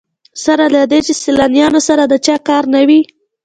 سره له دې چې سیلانیانو سره د چا کار نه وي.